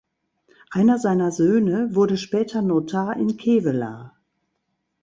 Einer seiner Söhne wurde später Notar in Kevelaer.